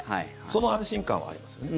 その安心感はありますね。